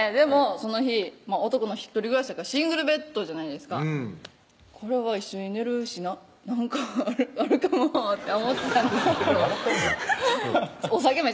その日男の一人暮らしやからシングルベッドじゃないですかこれは一緒に寝るしな何かあるかもって思ってたんですけどなんで笑ってんの？